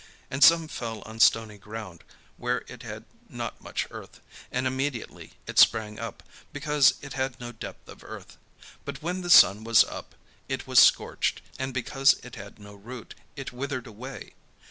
And some fell on stony ground, where it had not much earth; and immediately it sprang up, because it had no depth of earth: but when the sun was up, it was scorched; and because it had no root, it withered away.